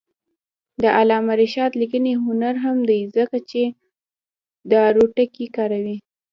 د علامه رشاد لیکنی هنر مهم دی ځکه چې دارو ټکي کاروي.